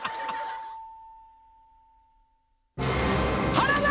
原田！